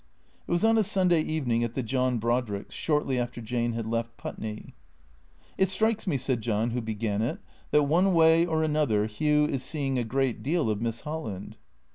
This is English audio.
It was on a Sunday evening at the John Brodricks', shortly after Jane had left Putney. " It strikes me," said John who began it, " that one way or another Hugh is seeing a great deal of Miss Holland."